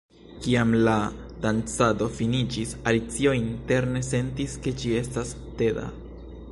Kiam la dancado finiĝis, Alicio interne sentis ke ĝi estas teda.